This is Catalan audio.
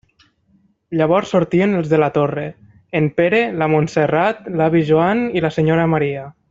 Llavors sortien els de la Torre: en Pere, la Montserrat, l'avi Joan i la senyora Maria.